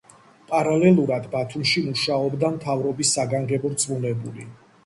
პარალელურად, ბათუმში მუშაობდა მთავრობის საგანგებო რწმუნებული.